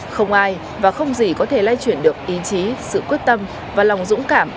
không ai và không gì có thể lay chuyển được ý chí sự quyết tâm và lòng dũng cảm